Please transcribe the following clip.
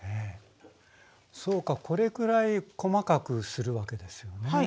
そうかこれくらい細かくするわけですよね。